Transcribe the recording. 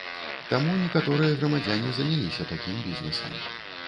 Таму некаторыя грамадзяне заняліся такім бізнэсам.